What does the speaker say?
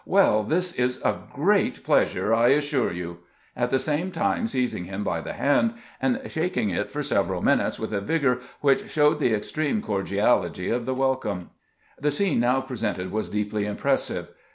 Well, this is a great pleasure, I assure you," at the same time seizing him by the hand, and shaking it for several minutes with a vigor which showed the extreme cordiality of the welcome. The scene now presented was deeply impressive.